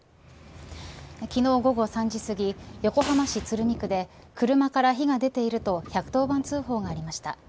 昨日、午後３時すぎ横浜市鶴見区で車から火が出ていると１１０番通報がありました。